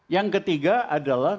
yang ketiga adalah